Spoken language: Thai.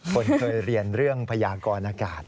คนเคยเรียนเรื่องพยากรอากาศ